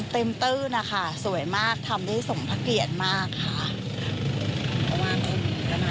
เต็มตื้อนะคะสวยมากทำได้สมทะเกียจมากค่ะ